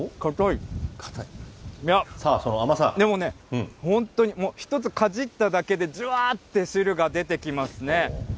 でもね、本当に、もう一つかじっただけで、じわって汁が出てきますね。